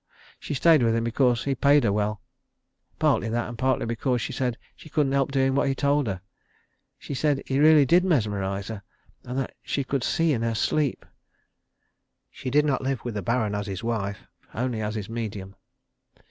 She stayed with him because he paid her well. Partly that, and partly because she said she couldn't help doing what he told her. She said he really did mesmerise her, and that she could see in her sleep. She did not live with the Baron as his wife. Only as his medium.